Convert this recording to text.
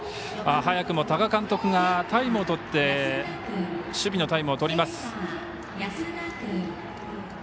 早くも多賀監督がタイムをとって守備のタイムをとります。